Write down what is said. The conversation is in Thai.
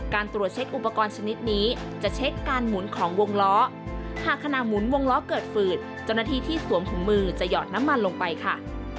ตรวจเช็คอุปกรณ์ชนิดนี้จะเช็คการหมุนของวงล้อหากขณะหมุนวงล้อเกิดฝืดเจ้าหน้าที่ที่สวมถุงมือจะหอดน้ำมันลงไปค่ะ